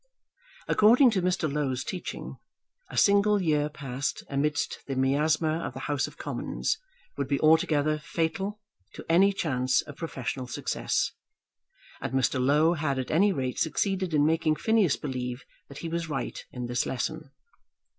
According to Mr. Low's teaching, a single year passed amidst the miasma of the House of Commons would be altogether fatal to any chance of professional success. And Mr. Low had at any rate succeeded in making Phineas believe that he was right in this lesson.